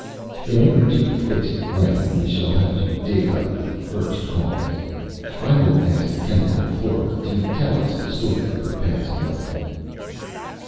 "In order to fix the Blame we shall have to dig up the First Cause. I will ask Chemical Flora to tell us the Story of her Past Life."